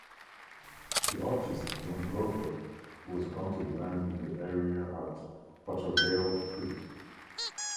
The artist John Glover was granted land in the area at Patterdale creek.